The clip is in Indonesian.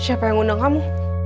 siapa yang undang kamu